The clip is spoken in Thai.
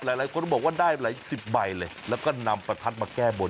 หลายคนก็บอกว่าได้หลายสิบใบเลยแล้วก็นำประทัดมาแก้บน